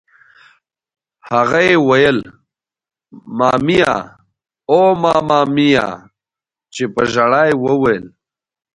هغه یې ویل: مامیا! اوه ماما میا! چې په ژړا یې وویل.